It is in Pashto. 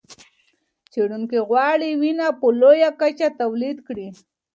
څېړونکي غواړي وینه په لویه کچه تولید کړي.